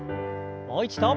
もう一度。